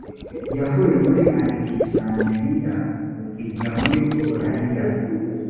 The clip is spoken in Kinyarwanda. yavuye mu alekizanderiya ijya muri italiya